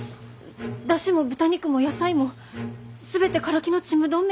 出汁も豚肉も野菜も全てカラキのちむどん